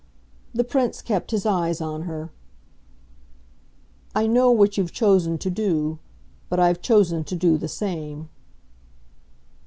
The Prince kept his eyes on her. "I know what you've chosen to do. But I've chosen to do the same."